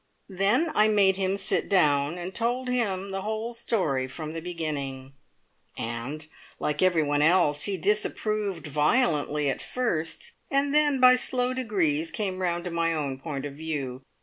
Then I made him sit down, and told him the whole story from the beginning; and, like every one else, he disapproved violently at first, and then, by slow degrees, came round to my own point of view.